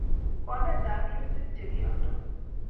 koletap minutik chekialdoi